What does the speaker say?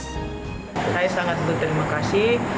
saya sangat berterima kasih